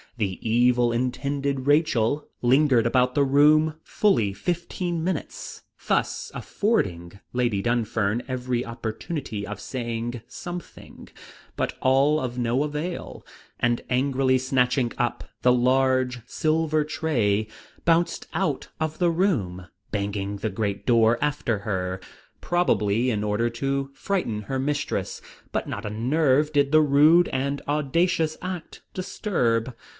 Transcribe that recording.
The evil intended Rachel lingered around the room fully fifteen minutes, thus affording Lady Dunfern every opportunity of saying something, but all of no avail; and angrily snatching up the large silver tray, bounced out of the room, banging the great door after her, probably in order to frighten her mistress, but not a nerve did the rude and audacious act disturb.